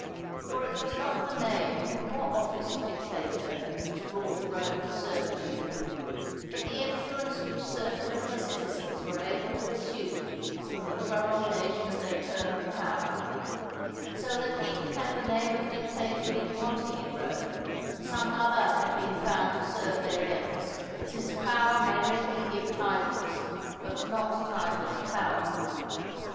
For it was not the name nor office of Dictator which brought Rome to servitude, but the influence which certain of her citizens were able to assume from the prolongation of their term of power; so that even had the name of Dictator been wanting in Rome, some other had been found to serve their ends, since power may readily give titles, but not titles power.